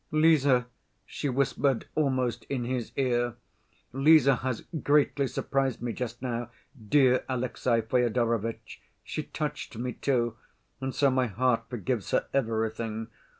"Lise," she whispered almost in his ear, "Lise has greatly surprised me just now, dear Alexey Fyodorovitch. She touched me, too, and so my heart forgives her everything.